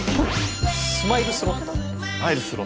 スマイルスロット。